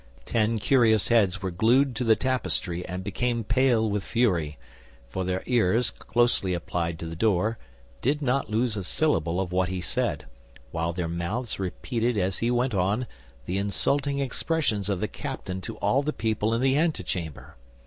Ten curious heads were glued to the tapestry and became pale with fury; for their ears, closely applied to the door, did not lose a syllable of what he said, while their mouths repeated as he went on, the insulting expressions of the captain to all the people in the antechamber.